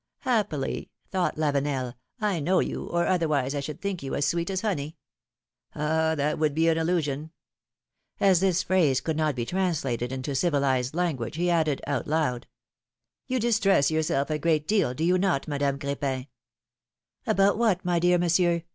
Happily," thought Lavenel, know you — or other wise I should think you as sweet as honey. Ah ! that would be an illusion !" As this phrase could not be translated into civilized language, he added, out loud : You distress yourself a great deal, do you not, Madame Cr^pin?" ^^About what, my dear Monsieur?"